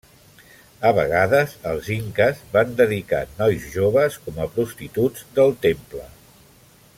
A vegades, els inques van dedicar nois joves com a prostituts del temple.